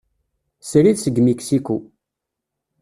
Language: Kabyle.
Srid seg Mixico.